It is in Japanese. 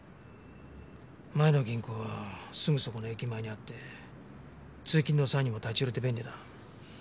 前の銀行はすぐそこの駅前にあって通勤の際にも立ち寄れて便利だ。